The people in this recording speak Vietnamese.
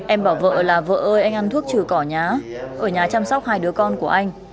em bảo vợ là vợ ơi anh ăn thuốc trừ cỏ nhá ở nhà chăm sóc hai đứa con của anh